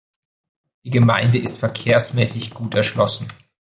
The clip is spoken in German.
Die Gemeinde ist verkehrsmässig gut erschlossen.